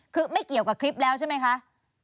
คือไม่เกี่ยวกับคลิปแล้วใช่ไหมคะ